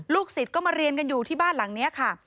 ศิษย์ก็มาเรียนกันอยู่ที่บ้านหลังนี้ค่ะ